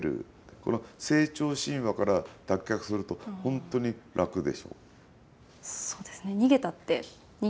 この成長神話から脱却すると本当に楽でしょう？